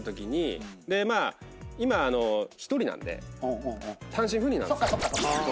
まあ今１人なんで。単身赴任なんですよ。